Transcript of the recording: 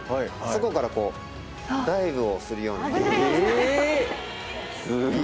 あそこからこうダイブをするような。